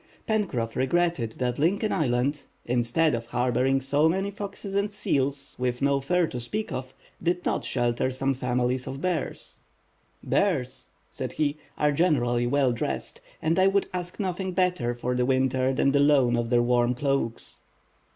Pencroff regretted that Lincoln Island, instead of harboring so many foxes and seals, with no fur to speak of, did not shelter some families of bears. "Bears," said he, "are generally well dressed; and I would ask nothing better for the winter than the loan of their warm cloaks.".